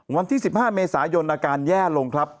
วันที่๑๕เมษายนอาการแย่ลงครับ